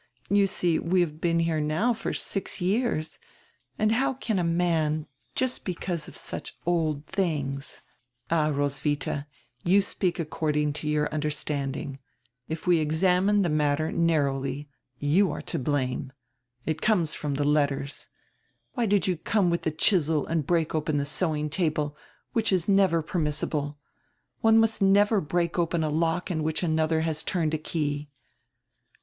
You see, we have been here now for over six years, and how can a man, just because of such old tilings —" "All, Roswitha, you speak according to your understand ing. If we examine the matter narrowly, you are to blame. It conies from the letters. Why did you come with the chisel and break open the sewing table, which is never per missible? One must never break open a lock in which another has turned a key."